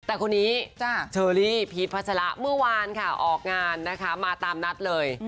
แต่คนนี้เชอรี่พีชพัชละเมื่อวานค่ะออกงานนะคะมาตามนัดเลย